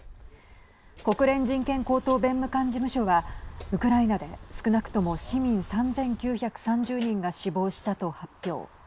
国連人権高等弁務官事務所はウクライナで少なくとも市民３９３０人が死亡したと発表。